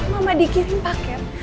mama dikirim paket